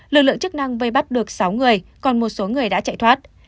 lực lượng chức năng vây bắt được sáu người còn một số người đã chạy thoát